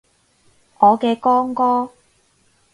我嘅光哥